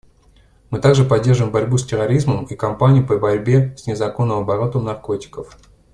Мы также поддерживаем борьбу с терроризмом и кампанию по борьбе с незаконным оборотом наркотиков.